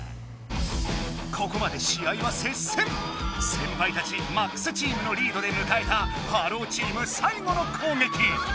先輩たちＭＡＸチームのリードでむかえたハローチーム最後の攻撃。